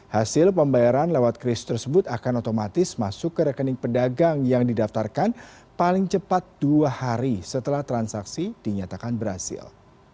hasil pembayaran lewat kris tersebut akan otomatis masuk ke rekening pedagang yang didaftarkan paling cepat dua hari setelah transaksi dinyatakan berhasil